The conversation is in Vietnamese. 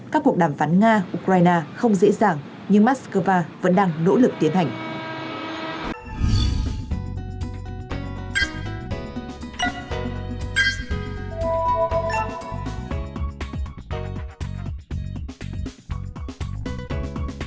các cuộc đàm phán nga ukraine không dễ dàng nhưng moscow vẫn đang nỗ lực tiến hành